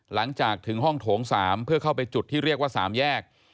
หลังจากถึงห้องโถง๓เพื่อเข้าไปจุดที่เรียกว่า๓แยก